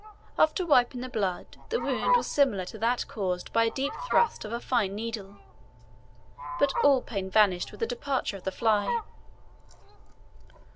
After wiping the blood the wound was similar to that caused by a deep thrust of a fine needle, but all pain had vanished with the departure of the fly.